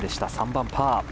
３番、パー。